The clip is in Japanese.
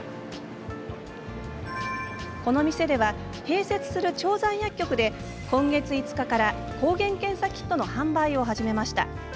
この店では、併設する調剤薬局で今月５日から、抗原検査キットの販売を始めました。